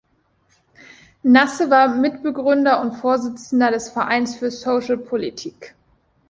Nasse war Mitbegründer und Vorsitzender des Vereins für Socialpolitik.